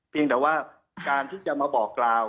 เพียงแต่ว่าการที่จะมาบอกกล่าว